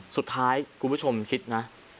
สุดท้ายคุณผู้ชมคิดนะ